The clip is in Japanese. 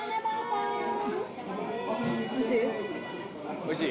おいしい？